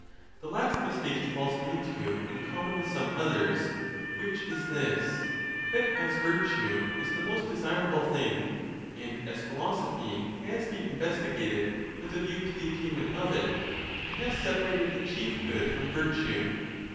The last mistake he falls into in common with some others, which is this: that as virtue is the most de sirable thing, and as neem at has been investigated with a view to the attainment of it, he has separated the chief good from virtue.